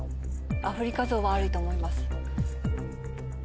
アフリカゾウはありと思います。